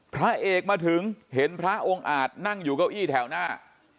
พระเอกมาถึงเห็นพระองค์อาจนั่งอยู่เก้าอี้แถวหน้า